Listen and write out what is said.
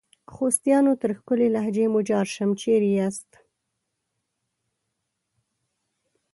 خوستیانو ! تر ښکلي لهجې مو جار سم ، چیري یاست؟